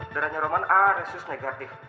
darahnya roman a resis negatif